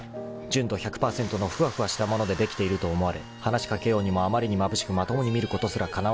［純度１００％のふわふわしたものでできていると思われ話し掛けようにもあまりにまぶしくまともに見ることすらかなわなかった］